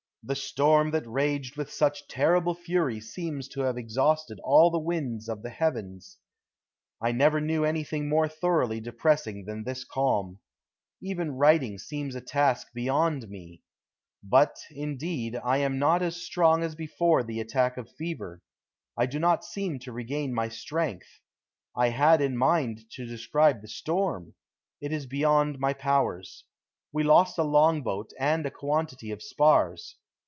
The storm that raged with such terrible fury seems to have exhausted all the winds of the heavens. I never knew anything more thoroughly depressing than this calm. Even writing seems a task beyond me. But, indeed, I am not as strong as before the attack of fever. I do not seem to regain my strength. I had in mind to describe the storm. It is beyond my powers. We lost a long boat and a quantity of spars.